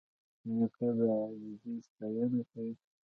نیکه د عاجزۍ ستاینه کوي.